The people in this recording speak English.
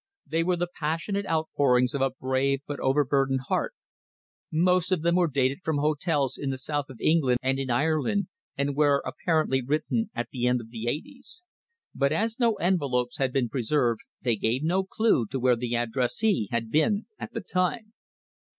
They were the passionate outpourings of a brave but overburdened heart. Most of them were dated from hotels in the South of England and in Ireland, and were apparently written at the end of the eighties. But as no envelopes had been preserved they gave no clue to where the addressee had been at the time.